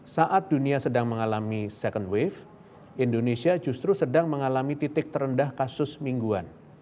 saat dunia sedang mengalami second wave indonesia justru sedang mengalami titik terendah kasus mingguan